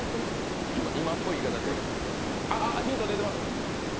あっ、ヒント出てます！